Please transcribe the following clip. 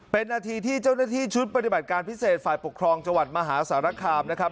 เป็นนาทีที่เจ้าหน้าที่ชุดปฏิบัติการพิเศษฝ่ายปกครองจังหวัดมหาสารคามนะครับ